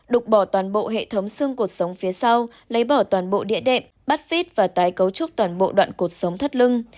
đục bỏ toàn bộ hệ thống xương cột sống phía sau lấy bỏ toàn bộ địa đệm bắt vít và tái cấu trúc toàn bộ đoạn cột sống thất lưng